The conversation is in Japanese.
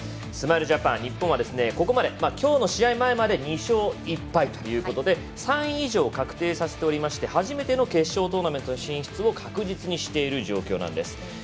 スマイルジャパン日本は、ここまできょうの試合前まで２勝１敗ということで３位以上を確定させておりまして初めての決勝トーナメントの進出を確実にしている状況です。